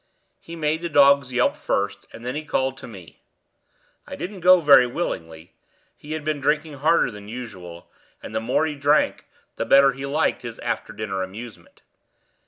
He made the dogs yelp first, and then he called to me. I didn't go very willingly; he had been drinking harder than usual, and the more he drank the better he liked his after dinner amusement.